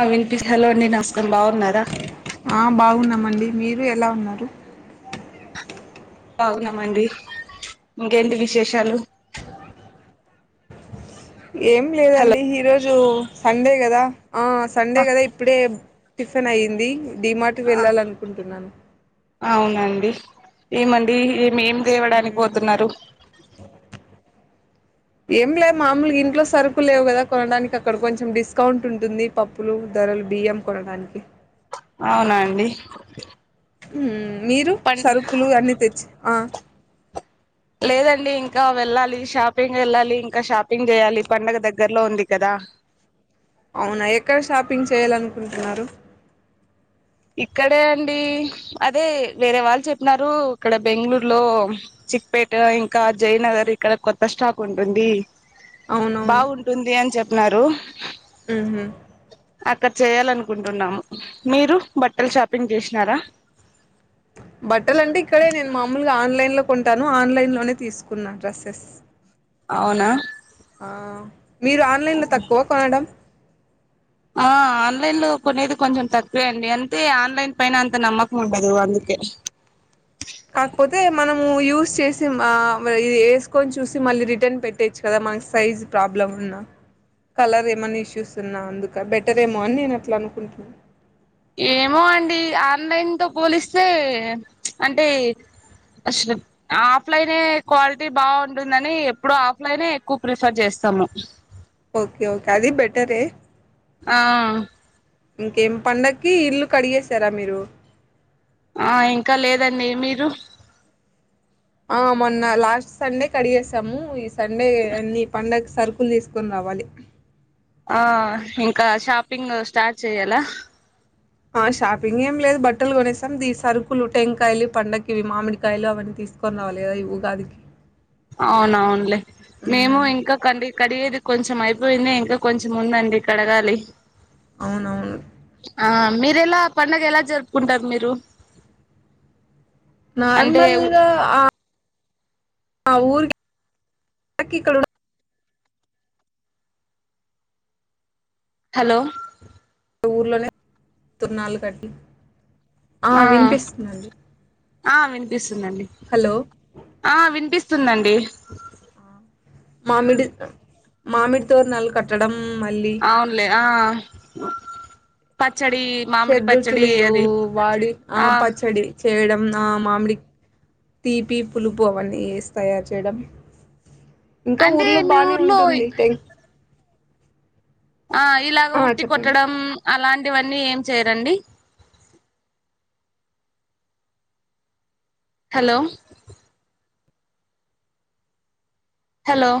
ఆ వినిపిస్తా హలో అ నమస్కారం బాగున్నారా మ్మండి మీరు ఎలా ఉన్నారు బాగున్నామండి ఇంకేంటి విశేషాలు ఏం హలో లేదండి ఈరోజు సండే కదా ఆ సండే కదా ఆ ఇప్పుడే టిఫెన్ అయ్యింది డిమార్ట్ వెళ్ళాలనుకుంటున్నాను అవునండి ఏమండి ఏమేమి తేవడానికి పోతున్నారు ఏం లే మామూలుగా ఇంట్లో సరుకు లేవు కదా కొనడానికి అక్కడ కొంచెం డిస్కౌంట్ ఉంటుంది పప్పులు ధరలు బియ్యం కొనడానికి అవునాండి మీరు సరుకులు అన్ని తెచ్చి ఆ లేదండి ఇంకా వెళ్ళాలి షాపింగ్ వెళ్ళాలి ఇంకా షాపింగ్ చేయాలి పండగ దగ్గరలో ఉంది కదా అవునా ఎక్కడ షాపింగ్ చేయాలనుకుంటున్నారు ఇక్కడే అండి అదే వేరే వాళ్ళు చెప్పినారు ఇక్కడ బెంగళూరులో చిక్పేట ఇంకా జయనగర్ ఇక్కడ కొత్త స్టాక్ ఉంటుంది బాగుంటుంది అని చెప్పన్నారు మ్ హు అక్కడ చేయాలనుకుంటున్నాము మీరు బట్టలు షాపింగ్ చేసినారా బట్టలు అంటే ఇక్కడే నేను మామూలుగా ఆన్లైన్ లో కొంటాను ఆన్లైన్లోనే తీసుకున్నాను డ్రెస్సెస్ అవునా ఆ మీరు ఆన్లైన్ లో తక్కువ కొనడం ఆ ఆన్లైన్ లో కొనేది కొంచెం తక్కువే అండి అంతే ఆన్లైన్ పైన అంత నమ్మకం ఉండదు అందు ఓకే అయితే మనము యూస్ చేసి ఇది వేసుకొని చూసి మళ్ళీ రిటర్న్ పెట్టొచ్చు కదా మనకి సైజు ప్రాబ్లమ్ ఉన్నా కలర్ ఏమన్నా ఇష్యూస్ ఉన్నా అందుక బెటర్ ఏమో అని నేను అట్లా అనుకుంటున్నా ఏమో అండి ఆన్లైన్ తో పోలిస్తే అంటే అసలు ఆఫ్లైనే క్వాలిటీ బాగుంటుందని ఎప్పుడు ఆఫ్లైనే ఎక్కువ ప్రిఫర్ చేస్త స్తాము ఓకే ఓకే అది బెటరే ఆ ఇంకేం పండకి ఇల్లు కడిగేశారా మీరు ఆ ఇంకా లేదండి మీరు ఆ మొన్న లాస్ట్ సండే కడిగేసాము ఈ సండే అన్ని పండగ సరుకులు తీసుకొని రావాలి ఆ ఇంకా షాపింగ్ స్టార్ట్ చెయ్యాలా ఆ షాపింగ్ ఏం లేదు బట్టలు కొనేస్తాం ద సరుకులు టెంకాయలు పండకి ఇవి మామిడికాయలు అవన్నీ కొనాలిగ ఉగాదికి అవునవునులే మేము హ్మ్ ఇంకా కం కడిగేది కొంచెం అయిపోయింద ఇంకా కొంచెం ఉందండి కడగాలి అవునవును ఆ మీర ఎలా పండగ ఎలా జరుపుకుంటారు మీరు అంటే నార్మల్గా ఆ ఊర్కిక క హలో ఇ ఊర్లోనే తురునాలు కడ్లి ఆ ఆ వినిపిస్తుందిండి హలో! ఆ వినిపిస్తు వస్తుందండి మామిడి మామిడితోర్నల్ కట్టడంం అవునులే ఆ పచ్చడి మామిడి షేడరుచులు పచ్చడి రుచులు అది వాడి ఆ పచ్చడి చేయడం మామిడి తీపి పులుపు అవన్నీ ఏసి తయారు చేయడం ఇంకా అంటే ఊర్లో మీ బానే ఊర్లో ఉంటుంది టం ఆ ఇలాగ ఉట్టి చెప్పండి. కొట్టడం అలాంటి లాంటివన్నీ ఏం చేయరండి హలో హలో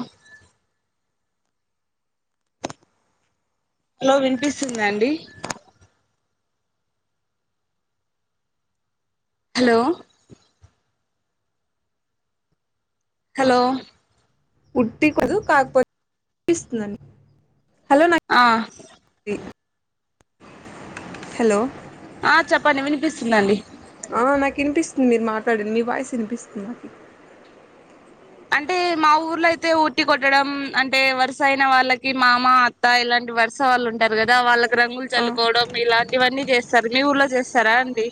హలో వినిపిస్తుందండి హలో హలో ఉట్టికదు కాకపోతేపిస్తుందండి హలో ఆ హలో ఆ చెప్పండి వినిపిస్తుందండి ఆ నాకు వినిపిస్తుంది మీరు మాట్లాడండి మీ వాయసు వినిపిస్తుంది నాకు అంటే మా ఊర్లో అయితే ఊటి కొట్టడం అంటే వరుస అయిన వాళ్ళకి మామ అత్తా ఇలాంటి వర్స వాళ్ళు ఉంటారు కదా వాళ్ళకి రంగులు ఆ చల్లుకోవడం ఇలాంటివన్నీ చేస్తారు మీ ఊర్లో చేస్తారా అండి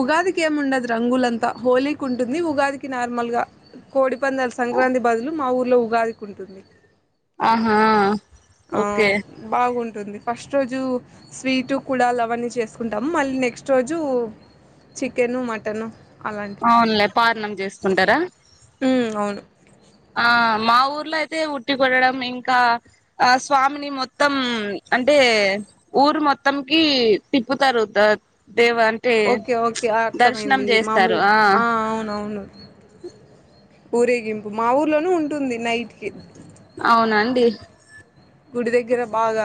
ఉగాదికి ఏమిండదు రంగులంతా హోలీకి ఉంటుంది ఉగాదికి నార్మల్ గా కోడి ఒప్పందాల సంక్రాంతి బదులు మా ఊర్లో ఉగాదికుంటుంది ఆహా ఆ ఓకే బాగుంటా ఉంటుంది ఫస్ట్ రోజు స్వీట్ కూడా అలావన్నీ చేసుకుంటాము మళ్ళీ నెక్స్ట్ రోజు చికెను మటన్ అలాంటివి అవునులే పారణం చేసుకుంటారా అవును ఆ మా ఊర్లో అయితే ఉట్టి కొడడం ఇంకా ఆ స్వామిని మొత్తం అంటే ఊరు మొత్తంకి తిప్పుతారు దేవ అంటే ఓకే ఓకే దర్శనం అర్థమైంది చేస్తారు మామూలు ఆ అవునవును ఊరేగింపు మా ఊర్లోనూ ఉంటుంది నైట్కిి అవునాండి గుడి దగ్గర బాగా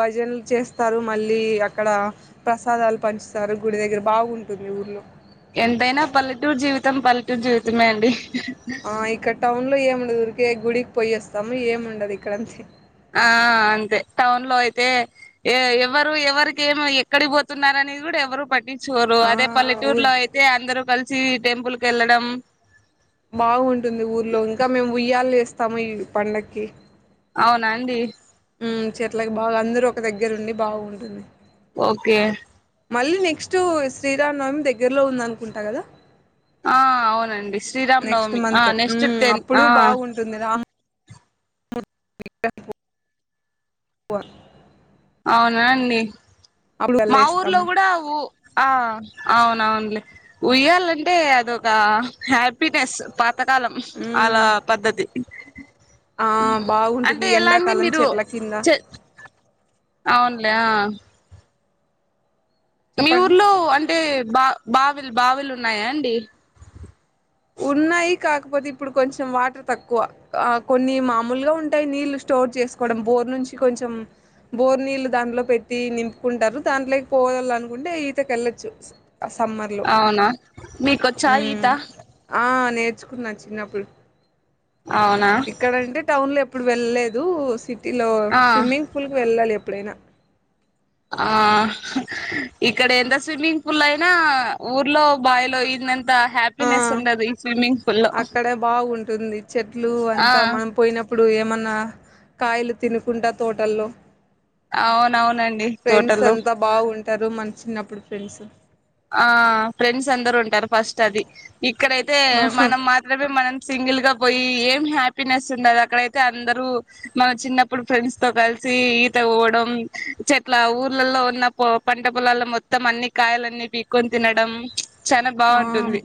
భజనలు చేస్తారు మళ్ళీ అక్కడ ప్రసాదాలు పంచు సరు గుడి దగ్గర బాగుంటంది ఊర్లో ఎంతైనా పల్లెటూరు జీవితం పల్లెటూరు జీవితమే అండి ఆ ఇక్కడ టౌన్ లో ఏమిండదుఊరికే గుడికి పోయ వస్తాము ఏముండదు ఇక్కడంత ఆ అంతే టౌన్ లో అయితే ఎవరు ఎవరిక ఏం ఎక్కడి పోతున్నారని ది కూడా ఎవరు పట్టి చూరు ఆ అదే పల్లెటూరు లో ఊరికి అయితే అందరుూ కలిసి టెంపుల్ క వెళ్ళడం బాగుంటుంది ఊర్లో ఇంకా మేము ఉయ్యాాల ఏస్తాము ఈ పండకి అవునాండి చెట్లకి బాగా అందరు ఒక దగ్గరు ఉండి బాగుంటుంది ఓకే మళ్ళీ నెక్స్ట్ శ్రీరామ్ నవమి దగ్గర్లో ఉంద అనుకుంటా కదా ఆ అవునండి శ్రీరామ్ నెక్స్ట్ నవమి ఆ మంత్ నెక్స్ట్ టెన్ ఆ అప్పుడు బాగుంటుంది రా [unintelligible] అవునా అండి అప్పుడు మా ఊర్లో వెళ్ళేస్తాము కూడ ఉ ఆ అవున్ అవునులే ఉయ్యల్ అంటే అదొక హ్యాపీనెస్ పాతకాలం అలా ఉమ్ పద్ధతి ఆ బాగుంటుంది అంటే ఎలా అండి ఎండాకాలం మీరు చెట్ల కింద అవును లే మీ చెప్పండి ఊర్లో అంటే బా బావిల్ బావిలు ఉన్నాయ అండి ఉన్నాయి కాకపోతే ఇప్పుడు కొంచెం వాటర్ తక్కువ ఆ కొన్ని మామూల్గా ఉంటాయి నీళ్ళు స్టోర్ చేసుకోవడం బోర్ నుంచి కొంచెం బోర్ నీళ్ళు దాంట్లో పెట్టి నింపుకుంటారు దాంట్లోకి పోవాలనుకుంటే ఈతకి వెళ్ళొచ్చు సమ్మర్ లో అవునా మీకొచ్చా ఈత ఉమ్ ఆ నేర్చుకున్నా చిన్నప్పుడు అవునా ఇక్కడంటే టౌన్ లో ఎప్పుడు వెళ్ళలేదు సిటీ లో ఆ స్విమ్మింగ్ ఫూల్ కి వెళ్ళాలి ఎప్పుడు ఎప్పుడైన ఆ ఇక్కడ ఎంత స్విమ్మింగ్ పూల్ అయినా ఊర్లో బావిలో ఈ దినం అంత ఆ హ్యాపీినెస్ ఉండదు ఈ స్విమ్మింగ్ పూల్లో అక్కడే బాగుంటుంది ఆ ఇప్పుడు ఏమన్న కాయలు తినుకుంటా తోటల్లో అవునవునండి ఫ్రెండ్స్ తోటల్లో అంత బాగుంటారు మన చిన్నప్పుడు ఫ్రెండ్స్ ఆ ఫ్రెండ్స్ అందరుూ ఉంటారు ఫస్ట్ అది ఇక్కడైతే ఆహా మనం మాత్రమే మనం సింగిల్ గా పోయి ఏం హ్యాపీనెస్ ఉండదు అక్కడైతే అందరూ మన చిన్నప్పుడు ఫ్రెండ్స్ తో కలిసి ఈత పోవడం చెట్ల ఊర్లలో ఉన్న పంట పొలాల్లో మొత్తం అన్ని కాయలన్నీ పీక్కోన్ తినడం చానా ఆ బాగుంటుంది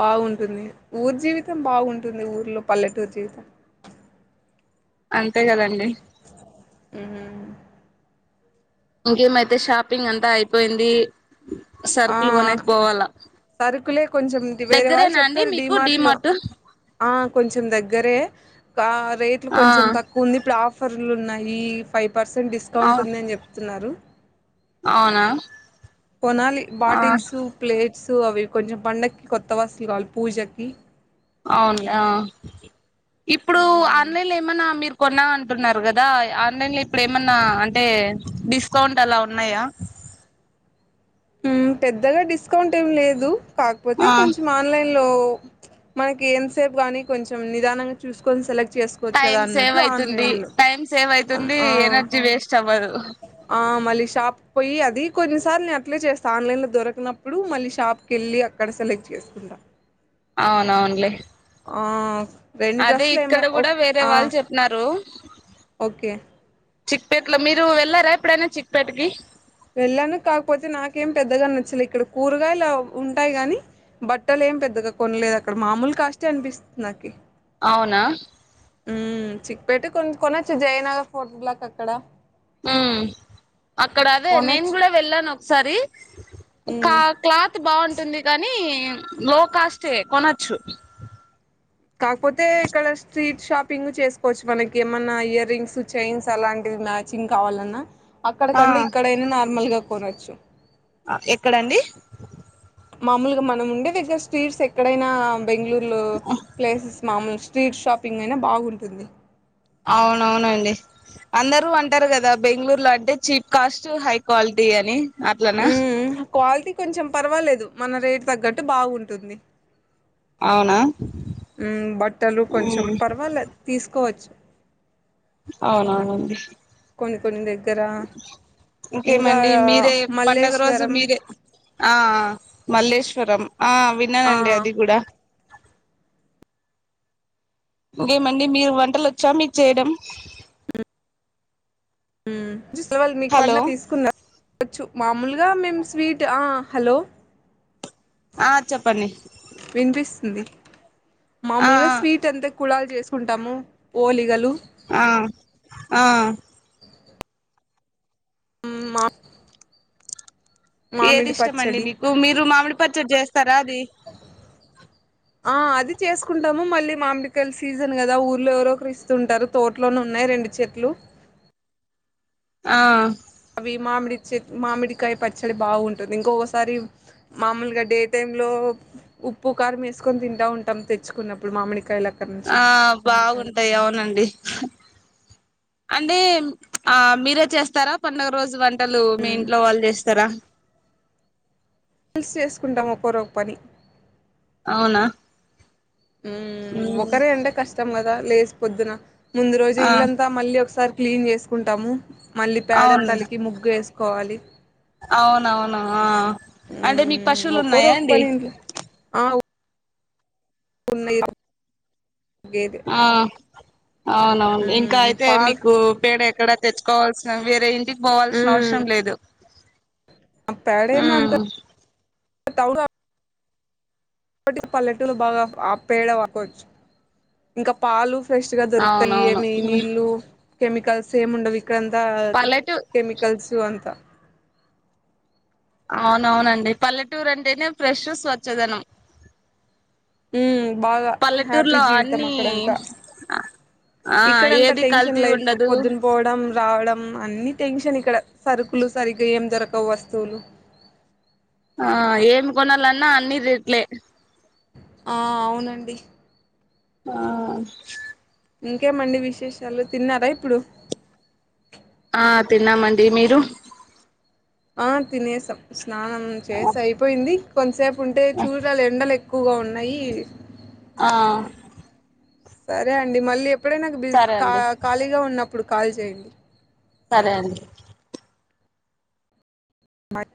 బాగుంటుంది ఊర్ జీవి తం బాగుంటుంది ఊరిలో పల్లెటూరు జీవితం అంతే కదండి ఉమ్. ఇంకేమైతే షాపింగ్ అంతా అయిపోయింది ఆ సర్కుల్ కొనేక్ పోవాలా సరుకులే కొంచెం వేరే వాళ్ళు దగ్గరేనా అండి చెప్తారు మీకు డిమార్ట్లో డిమార్ట్ కొంచెం దగ్గరే రేట్లు ఆ కొంచం తక్కువ ఉంది ఇప్పుడు ఆఫర్లు ఉన్నాయి ఫైవ్ పర్సెంట్ డిస్కౌంట్ ఉంది అని చెప్తున్నారు అవున కొనాలి బాటిల్స్ ప్లేట్ సో అవి కొంచం పండక్కి కొత్త వాస్తులు కావాలి పూజకి అవున్ యా ఇప్పుడు మ్మ్ ఆన్లైన్లో ఏమనా మీరు కొన్నా అంటున్నారు కదా ఆన్లైన్ లో ఇప్పుడు ఏమన్నా అంటే డిస్కౌంట్ అల ఉన్నాయా పెద్దగా డిస్కౌంట్ ఏమి లేదు కాకపోతే ఆ కొంచెం ఆన్లైన్ లో మనకి ఏం సేపు గానీ కొంచం నిదానంగా చూసుకొని సెలెక్ట్ చేసుకోవచ్చు కదా టైం సేవ్ అన్నట్టు అయితుంది ఆన్లైన్లో టైం సేవ్ అయితుంది ఎనర్జీ వేస్ట్ అవ్వదు ఆ మళ్ళీ షాప్క్ పోయి అది కొన్నిసార్లు నేన్ అట్లే చేస్తాను ఆన్లైన్లో దొరకనప్పుడు మళ్ళీ షాప్కి వెళ్ళి అక్కడ సెలెక్ట్ చేసుకుంటాను అవునవున్లే రెండు అదే డ్రెస్సులు ఇక్కడ ఏమో కూడ వేరే వాళ్ చెప్ినారు ఓకె చిక్పేట్ లో మీరు వెళ్ళార ఎప్పుడైన చిక్పేట్కిి వెళ్ళాను కాకపోతే నాకేం పెద్దగా నచ్చలే ఇక్కడ కూరగాయలు ఉంటాయి గాని బట్టలు ఏం పెద్దగా కొనలేదు అక్కడ మామూల కాష్టే అనిపిస్తుంది నాకి అవున చిక్ పెట్ కొ కొనొచ్చు జయనగర్ ఫోర్ట్ బ్లాక్ అక్కడ మ్మ్ అక్కడ అదే నేను కొనొచ్చు కూడా వెళ్ళాను ఒకసారి ఉమ్ క్లాత్ బాగుంటుంది కానీ లో కాస్ట్ ఏ కొనచ్చు కాకపోతే ఇక్కడ స్ట్రీట్ షాపింగ్ చేసుకోవచ్చు మనకి ఏమన్నా ఇయర్ రింగ్స్ చైన్స్ అలాంటివి మ్యాచింగ్ కావాలన్నా అక్కడ ఆ కంటే ఇక్కడైనా నార్మల్ గా కొనచ్చు ఎక్కడండి మామూలుగా మనం ఉండే దగ్గర స్ట్రీట్స్ ఎక్కడైనా బెంగుళూరు లో ప్లేసెస్ మామూలు స్ట్రీట్ షాపింగ్ అయినా బాగుంటుంది అవునవునండి అందరూ అంటారు కదా బెంగుళూరు లో అంటే చీప్ కాస్ట్ హై క్వాలిటీ అని అట్లనా మ్మ్ హ్ క్వాలిటీ కొంచెం పర్వాలేదు మన రేటు తగ్గట్టు బాగుంటుంది అవునా బట్టలు కొంచెం మ్మ్ పర్వాలే తీసుకోవచ్చు అవునవునండి కొన్ని కొన్ని దగ్గర ఇంకా ఇంకేమండి మీరే పండుగ రోజు మల్లేశ్వరం ఆ మల్లేశ్వరం ఆ ఆ విన్నానండి అది కూడా ఇంకేమండి మీకు వంటలు చేయడం వచ్చా మీ వొళ్ళు మీకు పండుగ కి తీసుకున్నారా మాములుగా మేమ్ స్వీట్ ఆ చెప్పండి వినిపిస్తుంది ఆ మామూలుగా స్వీట్ అంటే కుళాలు చేసుకుంటాము ఓలిగలు ఆ ఆ మ్మ్ మా ఏది మామిడి ఇష్టమండి పచ్చడి మీకు మీరు మామిడి పచ్చడి చేస్తారా అది ఆ అది చేసుకుంటాము మళ్ళీ మామిడికాయ సీజన్ కదా ఊర్లో ఎవరో ఒకరు ఇస్తుంటారు తోటలోనే ఉన్నాయి రెండు చెట్లు ఆ అవి మామిడి చెట్టు మామిడికాయ పచ్చడి బాగుంటుంది ఇంకొకసారి మామూలుగా డే టైమ్ లో ఉప్పు కారం వేసుకొని తింటా ఉంటాం మామిడికాయ తెచ్చుకున్నప్పుడు అక్కడ నుంచి ఆ బాగుంటాయి అవునండి అంటే ఆ మీరే చేస్తారా పండుగ రోజు మీ ఇంట్లో వాళ్ళు చేస్తారా కలిసి చేసుకుంటాం ఒకరో ఓ పని అవునా మ్మ్ ఒకరే అంటే కష్టం కదా లేచి పొద్దున ముందు రోజు ఆ ఇల్లంతా మళ్ళీ ఒకసారి క్లీన్ చేసుకుంటాము మళ్ళీ పేడను అవును నీళ్లలో కలిపి చల్లి ముగ్గు వేసుకోవాలి అవునవును అంటే మీకు ఉమ్ పశువులు ఒక్కొరు ఉన్నాయా ఒక అండి పని ఇంట్లో ఉన్నయ్ ఆ అవునవును ఇంకా ఉమ్ అయితే పాల్ మీకు పేడ ఎక్కడ తెచ్చుకోవాల్సిన పని లేదు పోవాల్సిన ఉమ్ అవసరం లేదు తవుడు ఇప్పటికి పల్లెటూరు లో బాగా ఆ పేడ వాడుకోవచ్చు ఇంకా పాలు ఫ్రెష్ గా దొరుకుతాయి అవునవును ఏమి ఉమ్ నీళ్లు కెమికల్స్ ఏమి ఉండవు ఇక పల్లెటూ కెమికల్స్ అంత అవునవునండి పల్లెటూరు అంటేనే ఫ్రెష్ స్వచ్ఛధనం మ్మ్ బాగా హ్యాపీ జీవితం అన్ని అక్కడంతా ఆ ఇక్కడంత ఏది టెన్షన్ కల్తీ లైఫ్ ఉండదు పొద్దున పోవడం రావడం అన్ని టెన్షన్ ఇక్కడ సరుకులు సరిగ్గా ఏం దొరకవు వస్తువులు. ఆ ఏమి కొనాలన్నా అన్ని రేట్లే. ఆ అవునండి. ఆ ఇంకేమండి విశేషాలు తిన్నారా ఇప్పుడు? ఆ తిన్నామండి మీరు ఆ తినేసాం స్నానం చేస అయిపోయింది, కొంసేపుంటే చూడల ఎండలె ఎక్కువగా ఉన్నయి. ఆ సరే అండి మళ్ళీ ఎప్పుడే నాకు బిజీ సరే అండి ఖాళీగా ఉన్నప్పుడు కాల్ చేయండి. సరే అండి మట్